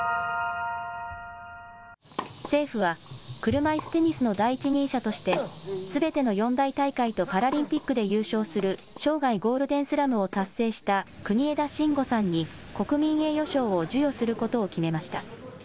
政府は、車いすテニスの第一人者として、すべての四大大会とパラリンピックで優勝する生涯ゴールデンスラムを達成した、国枝慎吾さんに国民栄誉賞を授与することを決めました。